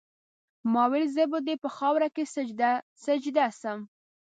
ما ویل زه به دي په خاوره کي سجده سجده سم